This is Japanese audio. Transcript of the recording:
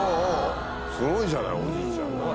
すごいじゃない、おじいちゃん。